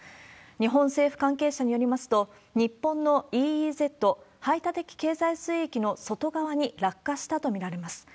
日本政府関係者によりますと、日本のＥＥＺ・排他的経済水域の外側に落下したと見られます。